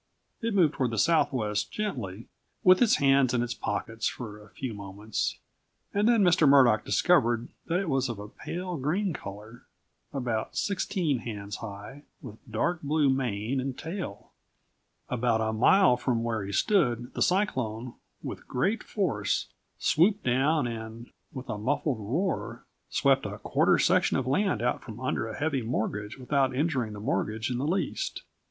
It moved toward the southwest gently, with its hands in its pockets for a few moments, and then Mr. Murdock discovered that it was of a pale green color, about sixteen hands high, with dark blue mane and tail. About a mile from where he stood the cyclone, with great force, swooped down and, with a muffled roar, swept a quarter section of land out from under a heavy mortgage without injuring the mortgage in the least.